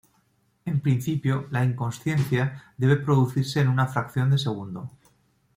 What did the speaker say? En principio, la inconsciencia debe producirse en una fracción de segundo.